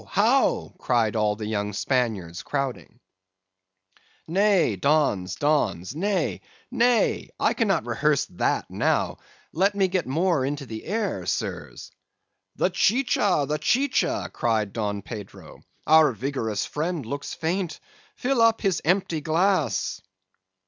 how?' cried all the young Spaniards, crowding. "'Nay, Dons, Dons—nay, nay! I cannot rehearse that now. Let me get more into the air, Sirs.' "'The chicha! the chicha!' cried Don Pedro; 'our vigorous friend looks faint;—fill up his empty glass!